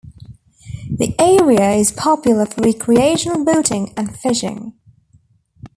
The area is popular for recreational boating and fishing.